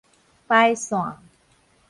排線